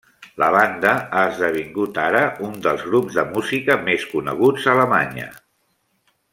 La banda ha esdevingut ara un dels grups de música més coneguts a Alemanya.